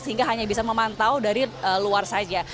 sehingga hanya bisa memantau dari luar saja